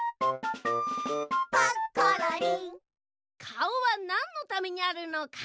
かおはなんのためにあるのか？